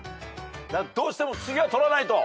どうしても次は取らないと。